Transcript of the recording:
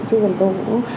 chứ còn tôi cũng